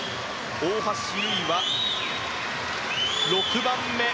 大橋悠依は６番目。